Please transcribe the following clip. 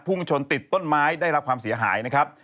ชนติดต้นไม้ได้รับความเสียหายนะครับ